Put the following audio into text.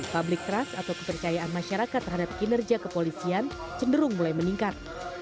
public trust atau kepercayaan masyarakat terhadap kinerja kepolisian cenderung mulai meningkat